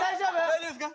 大丈夫ですか？